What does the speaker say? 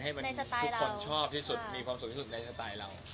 ให้มันทุกคนชอบที่สุดมีความสุขที่สุดในสไตล์เรา